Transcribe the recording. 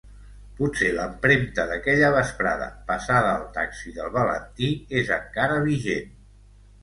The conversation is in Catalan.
Potser l'empremta d'aquella vesprada passada al taxi del Valentí és encara vigent.